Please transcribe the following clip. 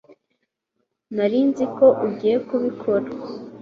Nari nzi ko ugiye kubikora